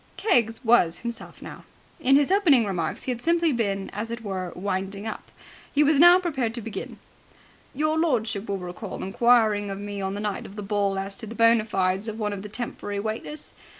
Keggs was himself now. In his opening remarks he had simply been, as it were, winding up. He was now prepared to begin. "Your lordship will recall inquiring of me on the night of the ball as to the bona fides of one of the temporary waiters?